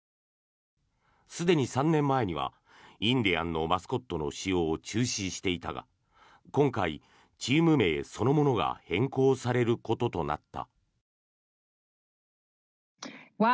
すでに３年前にはインディアンのマスコットの使用を中止していたが今回、チーム名そのものが変更されることとなった。